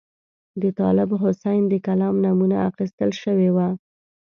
د طالب حسین د کلام نمونه اخیستل شوې وه.